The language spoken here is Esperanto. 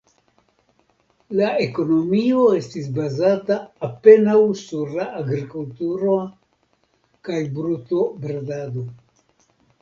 La ekonomio estis bazata apenaŭ sur la agrikulturo kaj brutobredado.